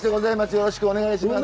よろしくお願いします。